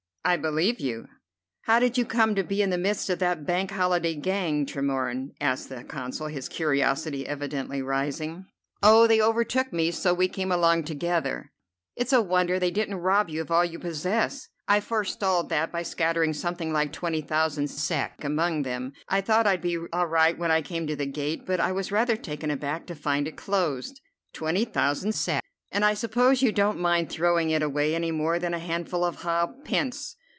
"I believe you!" "How did you come to be in the midst of that Bank Holiday gang, Tremorne?" asked the Consul, his curiosity evidently rising. "Oh, they overtook me, so we came along together." "It's a wonder they didn't rob you of all you possess." "I forestalled that by scattering something like twenty thousand sek among them. I thought I'd be all right when I came to the gate, but was rather taken aback to find it closed." "Twenty thousand sek! And I suppose you don't mind throwing it away any more than a handful of ha' pence!